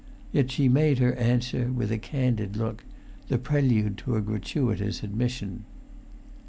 Yet she made her answer with a candid look, the prelude to a gratuitous admission.